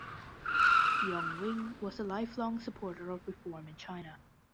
Yung Wing was a lifelong supporter of reform in China.